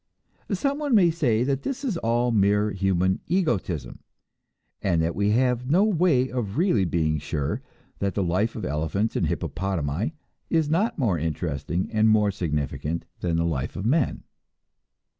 Someone may say that this is all mere human egotism, and that we have no way of really being sure that the life of elephants and hippopotami is not more interesting and significant than the life of men.